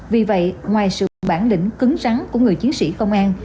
vì vậy ngoài sự bản lĩnh cứng rắn của người chiến sĩ công an